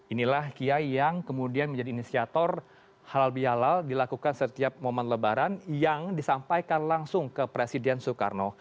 inilah kiai yang kemudian menjadi inisiator halal bihalal dilakukan setiap momen lebaran yang disampaikan langsung ke presiden soekarno